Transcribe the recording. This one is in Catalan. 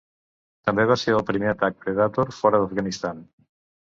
També va ser el primer atac Predator fora d"Afghanistan.